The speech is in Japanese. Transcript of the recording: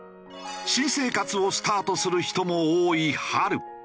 新生活をスタートする人も多い春。